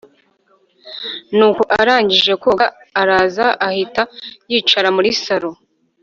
nuko arangije koga araza ahita yicara muri sallon.